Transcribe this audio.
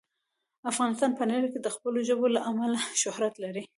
افغانستان په نړۍ کې د خپلو ژبو له امله شهرت لري.